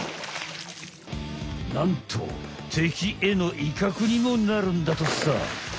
なんと敵への威嚇にもなるんだとさ。